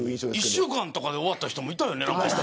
１週間とかで終わった人もいたよね。